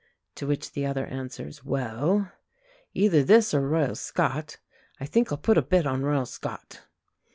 to which the other answers, "Well, either this or Royal Scot. I think I'll put a bit on Royal Scot."